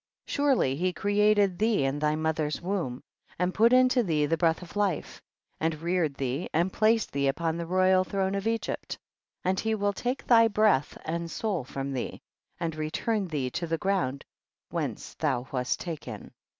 50. iSurely he created thee in thy mother's womb, and put into thee the breath of life, and reared thee and placed thee upon the royal throne of Egypt, and he will take thy breath and soul from thee, and return thee to the ground whence thou wast taken.